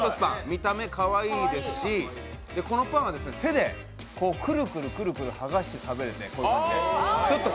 見た目かわいいですしこのパンは手でくるくるくるくる剥がして食べるので、こうやって。